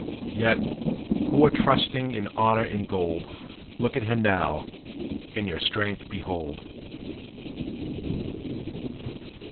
Ye, who are trusting in honor and gold, Look on him now, and your strength behold!